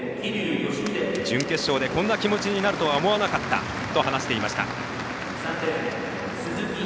準決勝でこんな気持ちになるとは思わなかったと話していました。